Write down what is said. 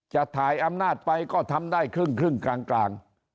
จะถ่ายอำนาจไปก็ทำได้ครึ่งครึ่งกลางกลาง